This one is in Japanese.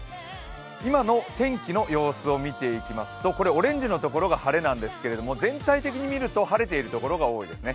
今の天気の様子を見ていきますとオレンジのところが晴れなんですけれども、全体的に見ると晴れているところが多いですね。